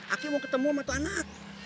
aki mau ketemu sama tuh anak